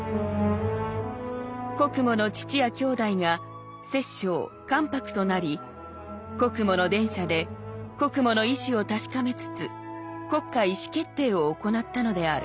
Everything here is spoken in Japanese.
「国母の父や兄弟が摂政・関白となり国母の殿舎で国母の意思を確かめつつ国家意思決定を行ったのである。